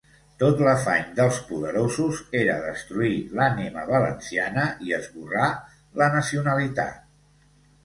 Tot l’afany dels poderosos era destruir l’ànima valenciana i esborrar la nacionalitat.